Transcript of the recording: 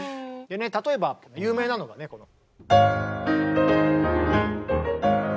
例えば有名なのがねこの。